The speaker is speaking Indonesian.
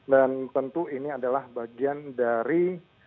dan tentu ini adalah bagian dari